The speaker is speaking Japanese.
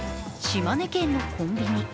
島根県のコンビニ。